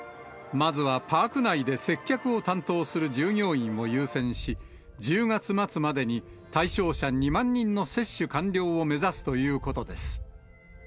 まずはパーク内で接客を担当する従業員を優先し、１０月末までに対象者２万人の接種完了を目指すということです。